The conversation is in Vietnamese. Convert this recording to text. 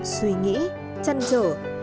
suy nghĩ chăn trở